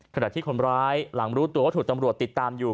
ขณะที่คนร้ายหลังรู้ตัวว่าถูกตำรวจติดตามอยู่